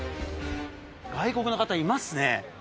外国の方いますね。